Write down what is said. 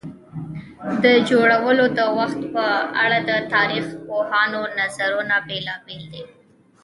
د جوړولو د وخت په اړه د تاریخ پوهانو نظرونه بېلابېل دي.